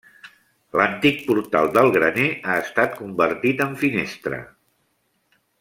L'antic portal del graner ha estat convertit en finestra.